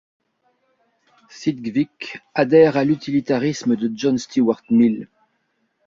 Sidgwick adhère à l'utilitarisme de John Stuart Mill.